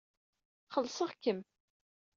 Xellṣeɣ-kem.